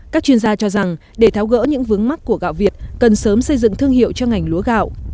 các chuyên gia cho rằng để tháo gỡ những vướng mắt của gạo việt cần sớm xây dựng thương hiệu cho ngành lúa gạo